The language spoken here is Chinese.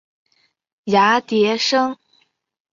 芽叠生。